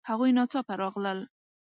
هغوی ناڅاپه راغلل